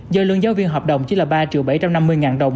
do lương giáo viên hợp đồng chỉ là ba bảy trăm năm mươi đồng